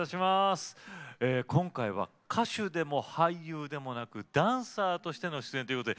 今回は歌手でも俳優でもなくダンサーとしての出演ということで。